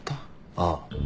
ああ。